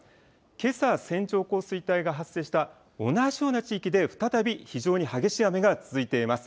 けさ、線状降水帯が発生した同じような地域で、再び非常に激しい雨が続いています。